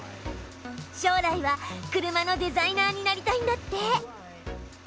将来は車のデザイナーになりたいんだって！